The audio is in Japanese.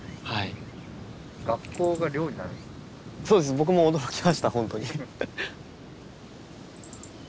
僕も驚きましたほんとに。